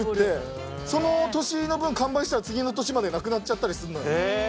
その年の分完売したら次の年までなくなっちゃったりすんのよ。